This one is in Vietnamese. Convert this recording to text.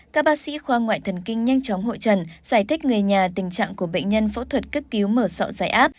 các bác sĩ khoa ngoại thần kinh nhanh chóng hội trần giải thích người nhà tình trạng của bệnh nhân phẫu thuật cấp cứu mở sọ giải áp